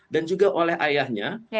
dan juga oleh ayahnya